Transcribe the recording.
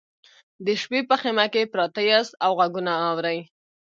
د شپې په خیمه کې پراته یاست او غږونه اورئ